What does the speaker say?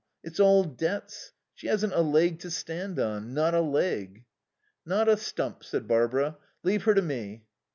It's all debts. She hasn't a leg to stand on. Not a leg." "Not a stump," said Barbara. "Leave her to me."